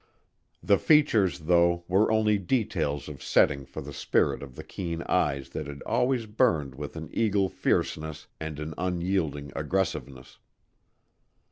The features, though, were only details of setting for the spirit of the keen eyes that had always burned with an eagle fierceness and an unyielding aggressiveness.